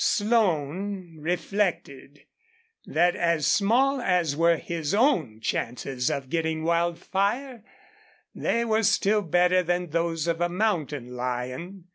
Slone reflected that as small as were his own chances of getting Wildfire, they were still better than those of a mountain lion.